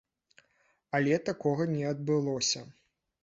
Але такога не адбылося.